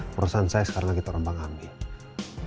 perusahaan saya sekarang lagi terobang ambil